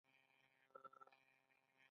آیا ځمکه د پښتون لپاره د مور حیثیت نلري؟